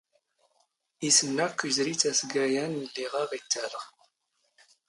ⵉⵙ ⵏⵏ ⴰⴽⴽⵯ ⵉⵣⵔⵉ ⵜⴰⵙⴳⴰ ⴰⵏⵏ ⵍⵍⵉⵖ ⴰⵖ ⵉⵜⵜⴰⵍⵖ.